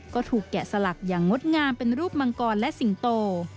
ก็ถูกแกะสลักอย่างงดงามเป็นรูปมังกรและสิงโต